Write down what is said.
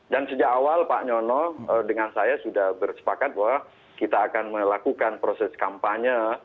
dan sejak awal pak nyono dengan saya sudah bersepakat bahwa kita akan melakukan proses kampanye